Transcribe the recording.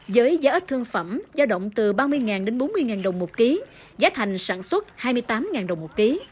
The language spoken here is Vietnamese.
với giá ếch thương phẩm giao động từ ba mươi đến bốn mươi đồng một ký giá thành sản xuất hai mươi tám đồng một ký